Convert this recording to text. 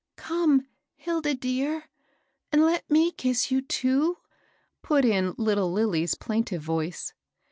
Come, Hilda dear, and let me kiss you, too! " put in little Lilly's plaintive voice.